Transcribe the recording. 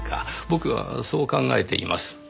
僕はそう考えています。